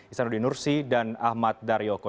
isanudin nursi dan ahmad darioko